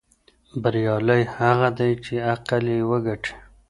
بریالی هغه دی چې عقل یې وګټي.